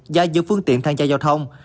và nhiều phương tiện thang gia giao thông